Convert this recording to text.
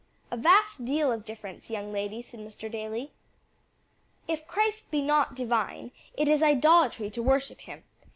"A vast deal of difference, my dear young lady," said Mr. Daly. "If Christ be not divine, it is idolatry to worship him.